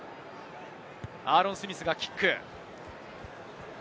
アーロン・スミスがキック。